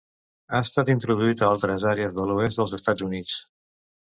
Ha estat introduït a altres àrees de l'oest dels Estats Units.